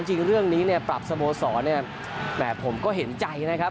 จริงเรื่องนี้เนี่ยปรับสโมสรเนี่ยแหมผมก็เห็นใจนะครับ